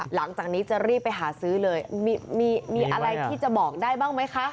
หลังจากนี้จะรีบไปหาซื้อเลยมีอะไรที่จะบอกได้บ้างไหมคะ